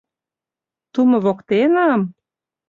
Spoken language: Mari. — Тумо воктеныым?